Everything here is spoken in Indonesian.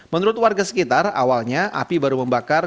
menurut warga sekitar awalnya api baru membakar